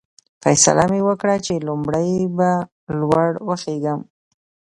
فیصله مې وکړل چې لومړی به لوړ وخېژم.